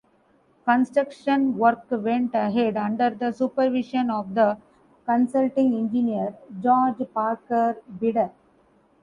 Construction work went ahead under the supervision of the Consulting Engineer, George Parker Bidder.